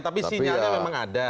tapi sinyalnya memang ada